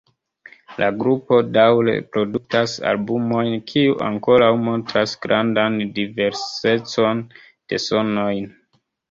La grupo daŭre produktas albumojn kiu ankoraŭ montras grandan diversecon de sonojn.